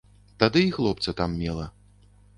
Тады і хлопца там мела.